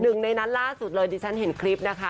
หนึ่งในนั้นล่าสุดเลยดิฉันเห็นคลิปนะคะ